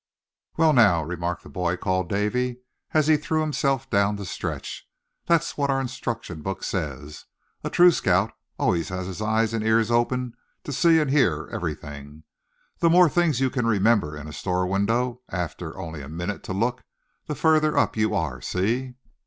"Well, now," remarked the boy called Davy, as he threw himself down to stretch; "that's what our instruction book says, a true scout always has his eyes and ears open to see and hear everything. The more things you can remember in a store window, after only a minute to look, the further up you are, see?"